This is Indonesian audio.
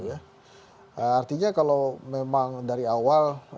artinya kalau memang dari awal